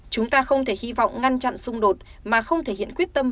chúng ta không thể hy vọng ngăn chặn xung đột mà không thể hiện quyết tâm